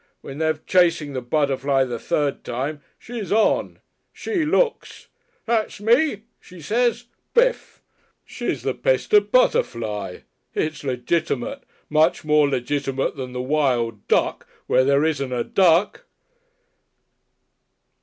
When they're chasing the butterfly the third time, she's on! She looks. 'That's me!' she says. Bif! Pestered Butterfly. She's the Pestered Butterfly. It's legitimate. Much more legitimate than the Wild Duck where there isn't a duck!